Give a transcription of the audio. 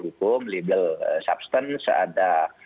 hukum legal substance ada